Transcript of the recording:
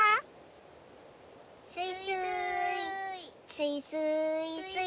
スイスーイ。